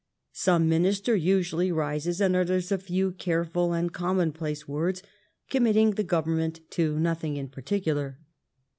Some Minister usually rises and utters a few careful and commonplace words, com mitting the Government to nothing in particular.